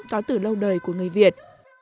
có từ lâu đời của người việt